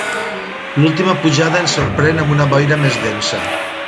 La última pujada ens sorprèn amb una boira més densa.